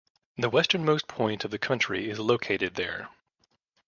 The westernmost point of the country is located there.